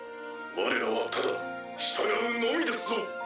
われらはただ従うのみですぞ。